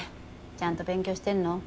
ちゃんと勉強してんの？